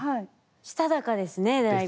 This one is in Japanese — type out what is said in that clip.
したたかですねだいぶ。